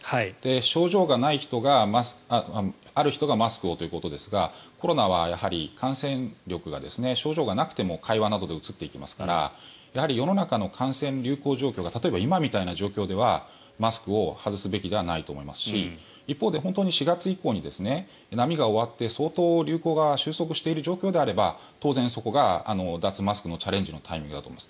症状がある人がマスクをということですがコロナは、やはり感染力が症状がなくても会話などでうつっていきますからやはり世の中の感染流行状況が例えば今みたいな状況ではマスクを外すべきではないと思いますし一方で本当に４月以降に波が終わって相当、流行が収束している状況であれば当然、そこが脱マスクのチャレンジのタイミングだと思います。